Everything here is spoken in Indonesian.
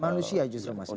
manusia justru mas ya